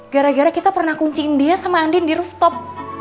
gara gara kita pernah kunciin dia sama andien di rooftop